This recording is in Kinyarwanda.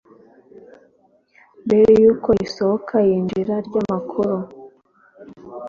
mbere y uko isohoka n iyinjira ry amakuru